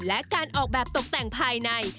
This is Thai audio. และการออกแบบตกแต่งภายใน